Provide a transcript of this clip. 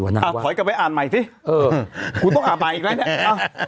อ่ะขอยกลับไปอ่านใหม่สิคุณต้องอ่านอ่านอีกแล้วเนี่ย